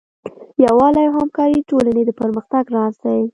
یووالی او همکاري د ټولنې د پرمختګ راز دی.